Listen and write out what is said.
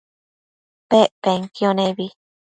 Pec penquio nebi